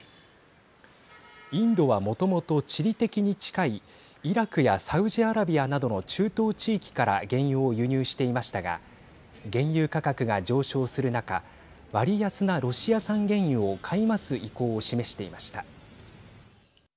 インドは、もともと地理的に近いイラクやサウジアラビアなどの中東地域から原油を輸入していましたが原油価格が上昇する中割安なロシア産原油を買い増す意向を示していました。